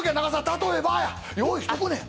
「例えば」を。